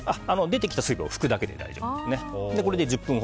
出てきた水分を拭くだけで大丈夫です。